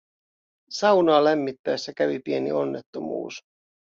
Saunaa lämmittäessä kävi pieni onnettomuus